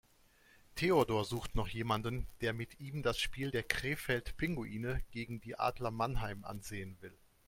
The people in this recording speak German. Theodor sucht noch jemanden, der mit ihm das Spiel der Krefeld Pinguine gegen die Adler Mannheim ansehen will.